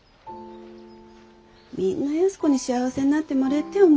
みんな安子に幸せになってもれえてえ思